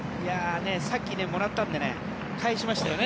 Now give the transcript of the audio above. さっきもらったので返しましたよね。